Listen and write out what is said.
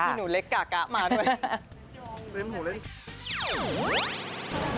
พี่หนูเล็กกะมาด้วย